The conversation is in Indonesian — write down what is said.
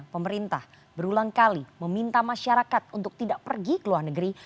pemerintah berulang kali meminta masyarakat untuk tidak pergi ke luar negeri